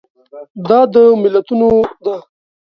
دا د ملتونو ده.